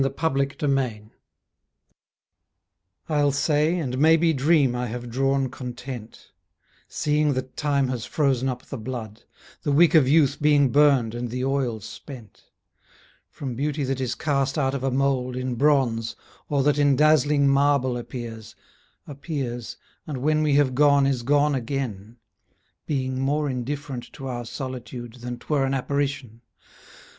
THE LIVING BEAUTY I'll say and maybe dream I have drawn content Seeing that time has frozen up the blood, The wick of youth being burned and the oil spent From beauty that is cast out of a mould In bronze, or that in dazzling marble appears, Appears, and when we have gone is gone again, Being more indifferent to our solitude Than 'twere an apparition.